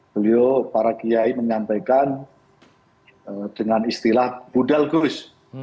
beliau para kiai menyampaikan dengan istilah budal gus